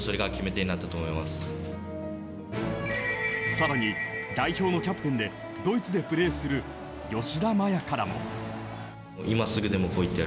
更に、代表のキャプテンでドイツでプレーする吉田麻也からも。